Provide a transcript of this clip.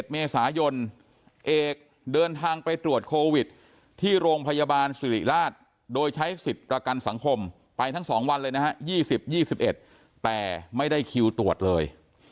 เมษายนเอกเดินทางไปตรวจโควิดที่โรงพยาบาลสิริราชโดยใช้สิทธิ์ประกันสังคมไปทั้ง๒วันเลยนะฮะ๒๐๒๑แต่ไม่ได้คิวตรวจเลย